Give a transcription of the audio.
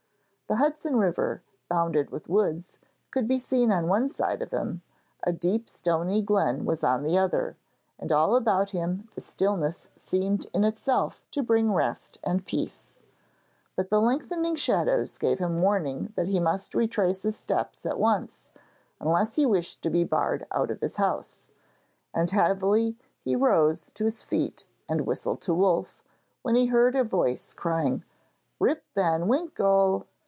The Hudson river, bounded with woods, could be seen on one side of him; a deep stony glen was on the other; and all about him the stillness seemed in itself to bring rest and peace. But the lengthening shadows gave him warning that he must retrace his steps at once, unless he wished to be barred out of his house, and heavily he rose to his feet and whistled to Wolf, when he heard a voice crying 'Rip van Winkle!'